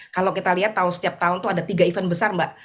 kalau kita lihat setiap tahun itu ada tiga event besar mbak